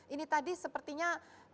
ini tadi sepertinya